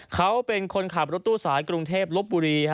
เขาเป็นคนขับรถตู้สายกรุงเทพลบบุรี